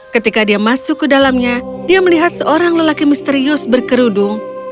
ketika dia masuk ke dalamnya dia melihat seorang lelaki misterius berkerudung